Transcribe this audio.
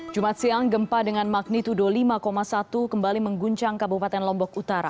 jumat siang gempa dengan magnitudo lima satu kembali mengguncang kabupaten lombok utara